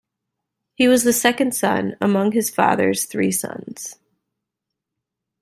He was the second son, among his fathers three sons.